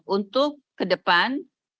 untuk ke depan